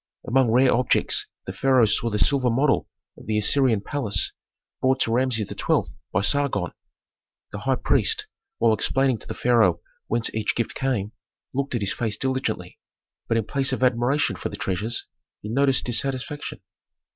Among rare objects the pharaoh saw the silver model of the Assyrian palace brought to Rameses XII. by Sargon. The high priest, while explaining to the pharaoh whence each gift came, looked at his face diligently. But in place of admiration for the treasures, he noticed dissatisfaction.